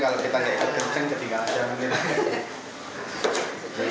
kalau kita tidak ikut kenceng ketinggalan saja mungkin